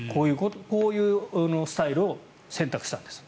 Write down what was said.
こういうスタイルを選択したんです。